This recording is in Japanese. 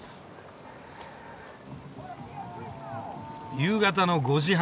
夕方の５時半。